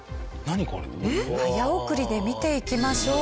早送りで見ていきましょう。